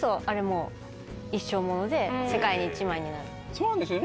そうなんですよね。